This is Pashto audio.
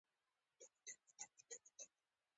ورپسې بل آشنا ته ورغلم.